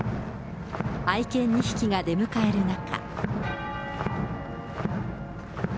愛犬２匹が出迎える中。